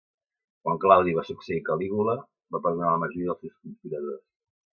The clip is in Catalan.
Quan Claudi va succeir Caligula, va perdonar la majoria dels seus conspiradors.